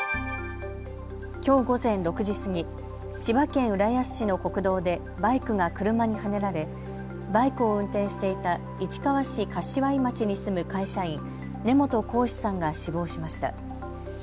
きょう午前６時過ぎ、千葉県浦安市の国道でバイクが車にはねられ、バイクを運転していた市川市柏井町に住む会社員根本光士さんが死亡しました。